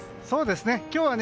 そうですね。